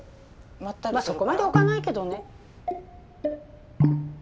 まあそこまで置かないけどね。